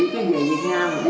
tôi chỉ là bố của hai